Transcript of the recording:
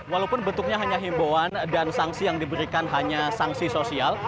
walaupun bentuknya hanya himbauan dan sanksi yang diberikan hanya sanksi sosial